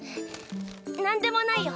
何でもないよ。